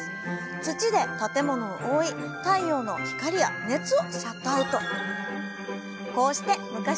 土で建物を覆い太陽の光や熱をシャットアウト。